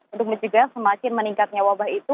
untuk mencegah semakin meningkatnya wabah itu